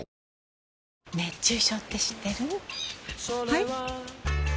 はい？